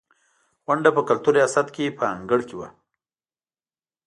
غونډه په کلتور ریاست په انګړ کې وه.